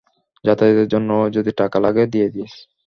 যাতায়াতের জন্য যদি টাকা লাগে, দিয়ে দিস।